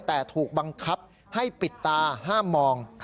แต่ถูกบังคับให้ปิดตาห้ามมอง